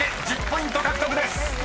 １０ポイント獲得です］